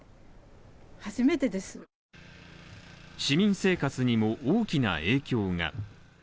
市民生活にも大きな影響が。